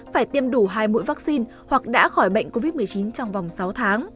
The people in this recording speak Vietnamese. phải tiêm đủ hai mũi vaccine hoặc đã khỏi bệnh covid một mươi chín trong vòng sáu tháng